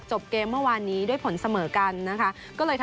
ก็จะเมื่อวันนี้ตอนหลังจดเกม